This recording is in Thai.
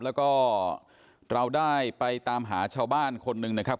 แล้วก็เราได้ไปตามหาชาวบ้านคนหนึ่งนะครับ